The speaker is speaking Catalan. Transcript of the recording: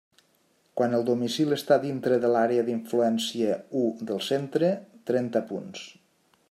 Quan el domicili està dintre de l'àrea d'influència u del centre: trenta punts.